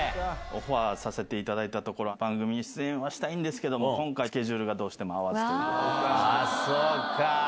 オファーさせていただいたところ、番組出演はしたいんですけれども、今回、スケジュールがどうしてもあっ、そっか。